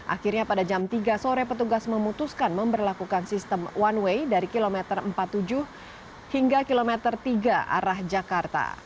akhirnya pada jam tiga sore petugas memutuskan memperlakukan sistem one way dari kilometer empat puluh tujuh hingga kilometer tiga arah jakarta